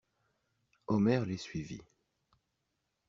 Omer les suivit.